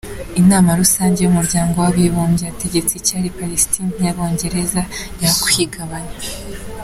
Inama rusange y’umuryango w’abibumbye yategetse icyari Palestine y’abongereza yakwigabanya.